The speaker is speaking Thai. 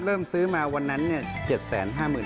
เริ่มซื้อมาวันนั้น๗๕๐๐๐บาท